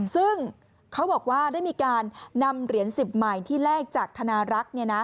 ซึ่งเขาบอกว่าได้มีการนำเหรียญ๑๐ใหม่ที่แลกจากธนารักษ์